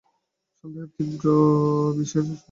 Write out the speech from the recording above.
সন্দেহের তীব্র বিষে সে দগ্ধ হইয়া যায়।